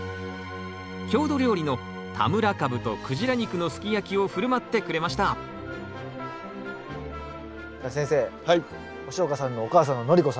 郷土料理の田村かぶとクジラ肉のすき焼きを振る舞ってくれましたじゃあ先生押岡さんのお母さんの徳子さんが。